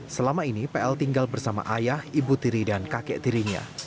selama ini pl tinggal bersama ayah ibu tiri dan kakek tirinya